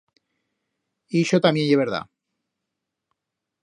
Ixo tamién ye verdat.